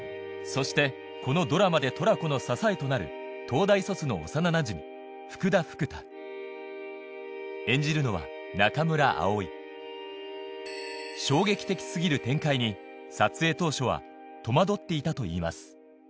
そしてこのドラマでトラコの支えとなる東大卒の幼なじみ福田福多演じるのは中村蒼衝撃的過ぎる展開に撮影当初は戸惑っていたといいます